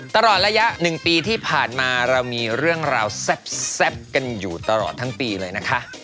ตลอดระยะ๑ปีที่ผ่านมาเรามีเรื่องราวแซ่บกันอยู่ตลอดทั้งปีเลยนะคะ